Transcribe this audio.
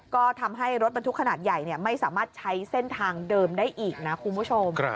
ก็ทำให้รถบรรทุกขนาดใหญ่ไม่สามารถใช้เส้นทางเดิมได้อีกนะคุณผู้ชม